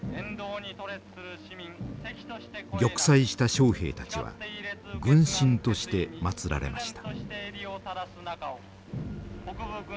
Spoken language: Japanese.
玉砕した将兵たちは軍神として祭られました。